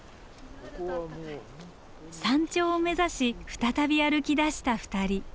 山頂を目指し再び歩きだした２人。